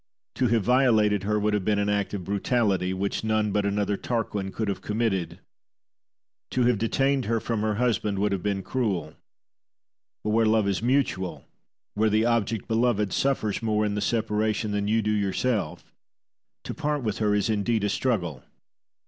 To have violated her would have been an act of brutality, which none but another Tarquin could have committed. To have detained her from her husband would have been cruel. But where love is mutual, where the object beloved suffers more in the separation than you do yourself, to part with her is indeed a struggle.